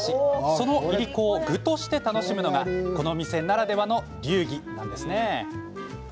そのいりこを具として楽しむのがこの店ならではの流儀。